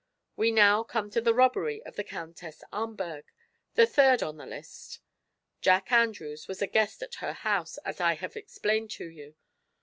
We now come to the robbery of the Countess Ahmberg, the third on the list. Jack Andrews was a guest at her house, as I have explained to you.